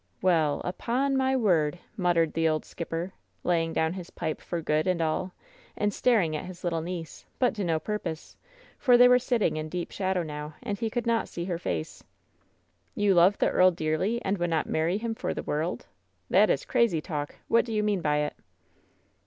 "Well — upon — my — word!'' muttered the old skip per, laying down his pipe for good and all, and staring at his little niece, but to no purpose, for they were sit ting in deep shadow now, and he could not see her face. "You love the earl dearly, and would not marry him for the world! That is crazy talL What do you mean by it?"